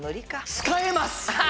使えます！